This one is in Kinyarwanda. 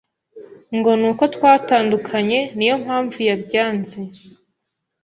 ngo n’uko twatandukanye niyo mpamvu yabyanze